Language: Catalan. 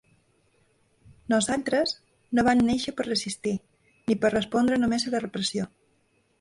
Nosaltres no vam néixer per resistir, ni per respondre només a la repressió.